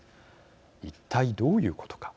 一体どういうことか。